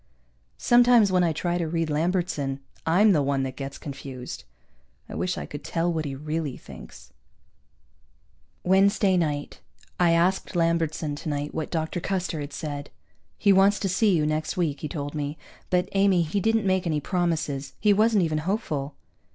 Sometimes when I try to read Lambertson I'm the one that gets confused. I wish I could tell what he really thinks. Wednesday night. I asked Lambertson tonight what Dr. Custer had said. "He wants to see you next week," he told me. "But Amy, he didn't make any promises. He wasn't even hopeful."